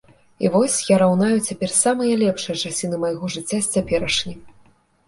І вось я раўную цяпер самыя лепшыя часіны майго жыцця з цяперашнім.